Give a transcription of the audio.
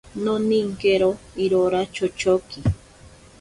Noninkero irora chochoki.